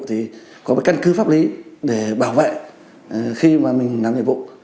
thì có cái căn cứ pháp lý để bảo vệ khi mà mình làm nhiệm vụ